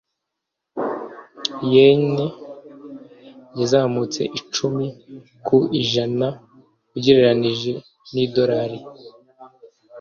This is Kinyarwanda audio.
yen yazamutseho icumi ku ijana ugereranije n'idolari